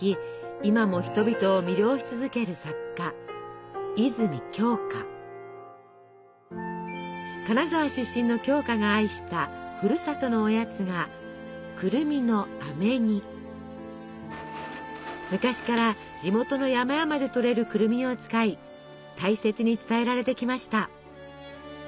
今も人々を魅了し続ける作家金沢出身の鏡花が愛したふるさとのおやつが昔から地元の山々でとれるくるみを使い大切に伝えられてきました。